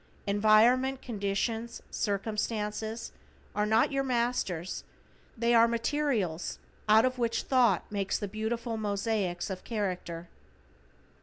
Environment, conditions, circumstances are not your masters, they are materials out of which thought makes the beautiful mosaics of character.